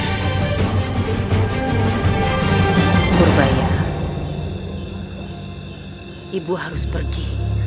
nopurbaya ibu harus pergi